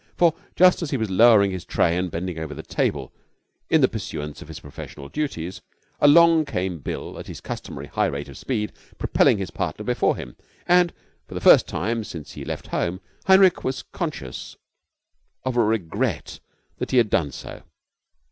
For just as he was lowering his tray and bending over the table in the pursuance of his professional duties, along came Bill at his customary high rate of speed, propelling his partner before him, and for the first time since he left home Heinrich was conscious of a regret that he had done so.